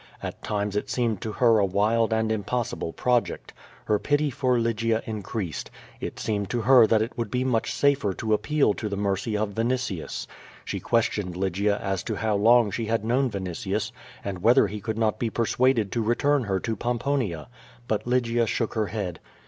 At times it seemed to her a wild and impossible project. Her pity for Lygia increased. It seemed to her that it would be much safer to appeal to the mercy of Vinitius. She questioned Lygia as to how long she had known Vinitius, and whether he could not be persuaded to return her to Pomponia. But Lygia shook her head.